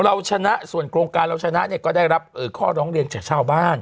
เราชนะส่วนโครงการเราชนะเนี่ยก็ได้รับข้อร้องเรียนจากชาวบ้าน